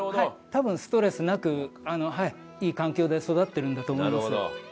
多分ストレスなくいい環境で育ってるんだと思います。